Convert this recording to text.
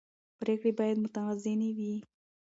پرېکړې باید متوازنې وي